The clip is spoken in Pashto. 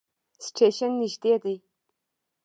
سټیشن نژدې دی